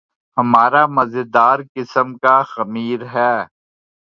ہمارا مزیدار قسم کا خمیر ہے۔